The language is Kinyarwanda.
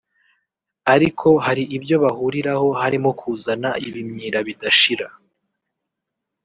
ariko hari ibyo bahuriraho harimo kuzana ibimyira bidashira